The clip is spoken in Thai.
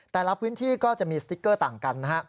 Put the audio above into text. แต่ละพื้นที่ก็จะมีสติ๊กเกอร์ต่างกันนะฮะ